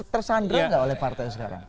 tersandar gak oleh partai sekarang